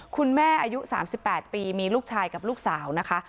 อายุ๓๘ปีมีลูกชายกับลูกสาวนะคะ